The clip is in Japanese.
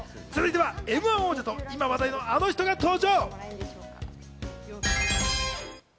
続いては、『М‐１』王者と今話題のあの人が登場。